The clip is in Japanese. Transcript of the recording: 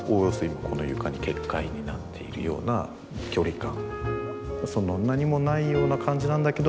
今この床に結界になっているような距離感。